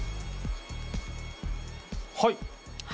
はい。